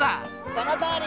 そのとおり！